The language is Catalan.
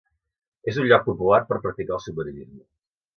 És un lloc popular per practicar el submarinisme.